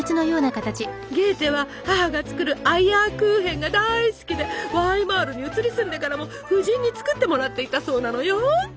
ゲーテは母が作るアイアークーヘンが大好きでワイマールに移り住んでからも夫人に作ってもらっていたそうなのよ。